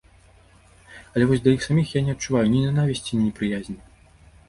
Але вось да іх саміх я не адчуваю ні нянавісці, ні непрыязі.